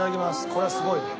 これはすごいね。